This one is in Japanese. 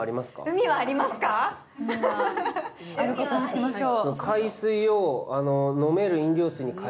海はあることにしましょう。